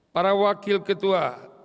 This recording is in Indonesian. para wakil ketua